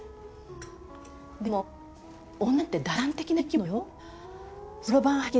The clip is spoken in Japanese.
でも女って打算的な生き物よ。